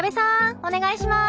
お願いします！